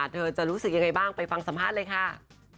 เธอจะรู้สึกยังไงบ้างไปฟังสัมภาษณ์เลยค่ะ